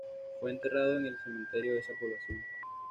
Fue enterrado en el cementerio de esa población.